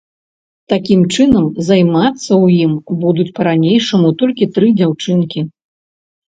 Такім чынам, займацца ў ім будуць па-ранейшаму толькі тры дзяўчынкі.